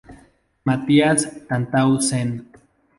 Mathias Tantau sen.